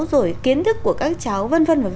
rồi kiến thức của các cháu v v